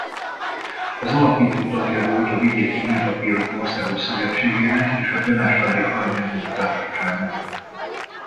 Alapító tagja volt a Vidéki Hírlapírók Országos Szövetségének és a temesvári Arany János Társaságnak.